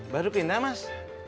baru ke indah mas